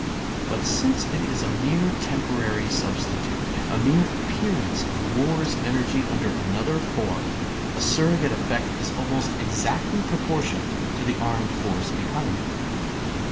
But since it is a mere temporary sub stitute, a mere appearance of war's energy under another form, a surrogate effect is almost exactly proportioned to the armed force behind it.